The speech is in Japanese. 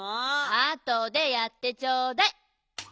あとでやってちょうだい。